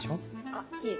あっいえ